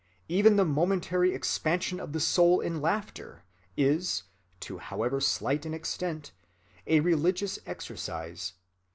Even the momentary expansion of the soul in laughter is, to however slight an extent, a religious exercise....